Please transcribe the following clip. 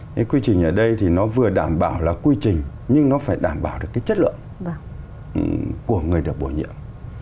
cái quy trình ở đây thì nó vừa đảm bảo là quy trình nhưng nó phải đảm bảo được cái chất lượng của người được bổ nhiệm